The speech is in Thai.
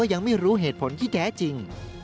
ยังไม่รู้เหตุผลที่แท้จริง